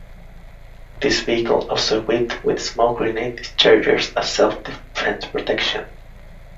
This vehicle also equipped with smoke grenade dischargers as self defence protection.